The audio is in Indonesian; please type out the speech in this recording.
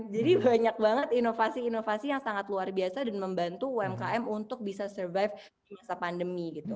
jadi banyak banget inovasi inovasi yang sangat luar biasa dan membantu umkm untuk bisa survive masa pandemi